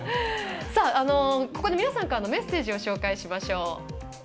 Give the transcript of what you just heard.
ここで皆さんからのメッセージを紹介しましょう。